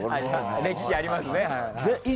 歴史ありますねはい。